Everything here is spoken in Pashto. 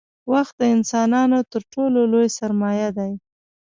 • وخت د انسانانو تر ټولو لوی سرمایه دی.